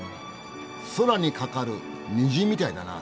空に架かる虹みたいだなあ。